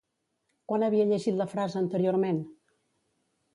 Quan havia llegit la frase anteriorment?